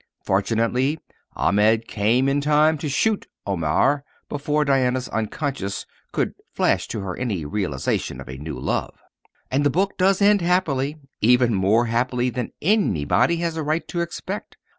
Fortunately Ahmed came in time to shoot Omair before Diana's Unconscious could flash to her any realization of a new love. And the book does end happily, even more happily than anybody has a right to expect.